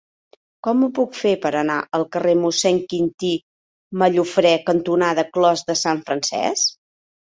Com ho puc fer per anar al carrer Mossèn Quintí Mallofrè cantonada Clos de Sant Francesc?